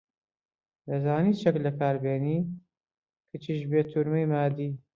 دەزانی چەک لەکار بێنی، کچیش بی تۆرمەی مادی